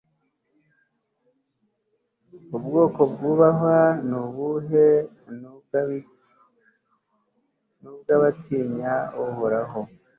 ubwoko bwubahwa ni ubuhe? ni ubw'abatinya uhoraho